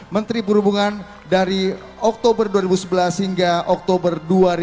menteri perhubungan dari oktober dua ribu sebelas hingga oktober dua ribu dua puluh